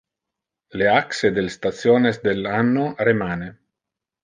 Le axe del stationes del anno remane.